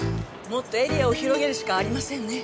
もっとエリアを広げるしかありませんね。